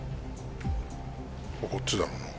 こっちだろうな。